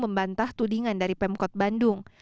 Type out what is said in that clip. membantah tudingan dari pemkot bandung